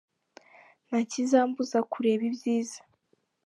Ntakizambuza kureba ibyiza.